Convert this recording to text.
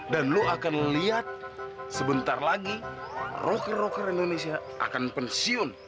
dan lo akan lihat sebentar lagi rocker rocker indonesia akan pensiun